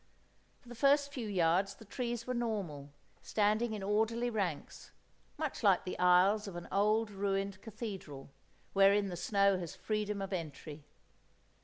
For the first few yards the trees were normal, standing in orderly ranks, much like the aisles of an old ruined cathedral, wherein the snow has freedom of entry.